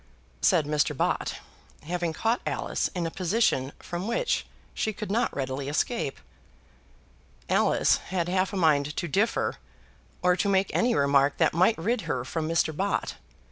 said Mr. Bott, having caught Alice in a position from which she could not readily escape. Alice had half a mind to differ, or to make any remark that might rid her from Mr. Bott.